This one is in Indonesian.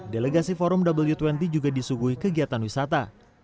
delegasi forum w dua puluh juga disuguhi kegiatan wisata